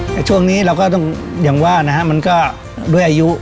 แต่ช่วงนี้เราก็ต้องอย่างว่านะฮะมันก็ด้วยอายุ